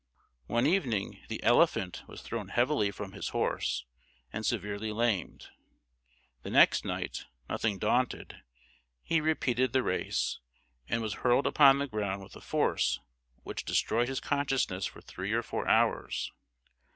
One evening, the "Elephant" was thrown heavily from his horse, and severely lamed. The next night, nothing daunted, he repeated the race, and was hurled upon the ground with a force which destroyed his consciousness for three or four hours.